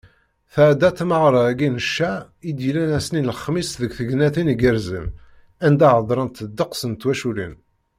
Tɛedda tmeɣra-agi n cca i d-yellan ass-nni n lexmis deg tegnatin igerrzen, anda ḥeḍrent ddeqs n twaculin.